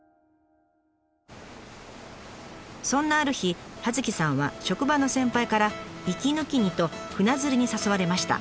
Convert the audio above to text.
そんなある日葉月さんは職場の先輩から息抜きにと船釣りに誘われました。